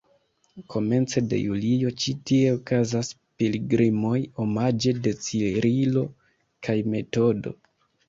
Komence de julio ĉi tie okazas pilgrimoj omaĝe de Cirilo kaj Metodo.